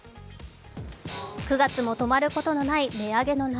９月も止まることのない値上げの波。